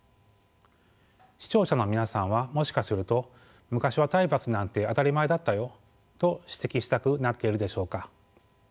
視聴者の皆さんはもしかすると「昔は体罰なんて当たり前だったよ」と指摘したくなっているでしょうか。